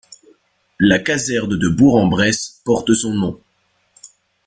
La caserne de Bourg-en-Bresse porte son nom.